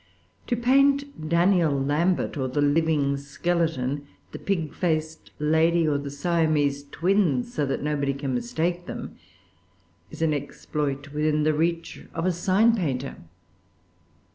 To paint Daniel Lambert or the living skeleton, the pig faced lady or the Siamese twins, so that nobody can mistake them, is an exploit within the reach of a sign painter.